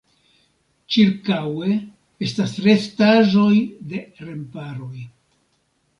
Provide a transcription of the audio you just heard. Ĉirkaŭe estas restaĵoj de remparoj.